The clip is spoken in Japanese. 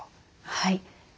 はい。